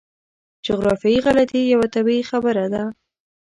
جغرافیایي غلطي یوه طبیعي خبره ده.